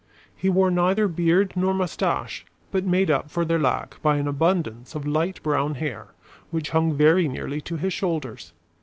He wore neither beard nor mustache, but made up for their lack by an abundance of light brown hair, which hung very nearly to his shoulders.